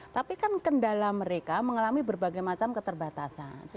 tapi kan kendala mereka mengalami berbagai macam keterbatasan